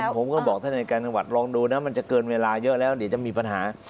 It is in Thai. ผมก็บอกท่านอายการจังหวัดลองดูนะมันจะเกินเวลาเยอะแล้วเดี๋ยวจะมีปัญหา